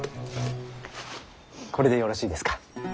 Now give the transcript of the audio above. これでよろしいですか？